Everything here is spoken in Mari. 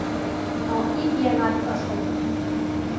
Но ик еҥат ыш лек.